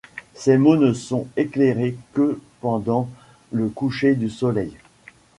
Ces mots ne sont éclairés que pendant le coucher du soleil.